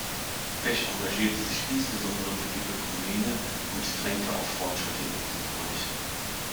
Pesch engagierte sich insbesondere für die Ökumene und drängte auf Fortschritte in diesem Bereich.